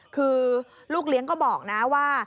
คือลูกเลี้ยงก็บอกนะว่า